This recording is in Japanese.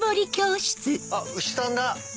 あっ牛さんだ！